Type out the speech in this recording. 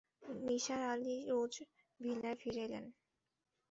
Nisar Ali Rose ভিলায় ফিরে এলেন।